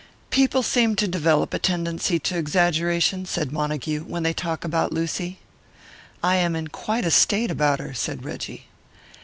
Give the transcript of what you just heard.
"People seem to develop a tendency to exaggeration," said Montague, "when they talk about Lucy." "I am in quite a state about her," said Reggie.